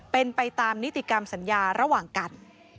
เป็นไปตามนิติกรรมสัญญาระหว่างกัน